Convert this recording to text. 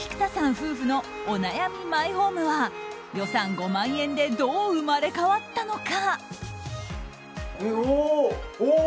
夫婦のお悩みマイホームは予算５万円でどう生まれ変わったのか。